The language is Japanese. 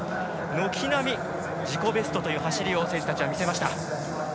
軒並み自己ベストという走りを選手たちは見せました。